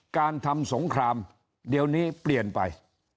การทำสงครามเดี๋ยวนี้เปลี่ยนไป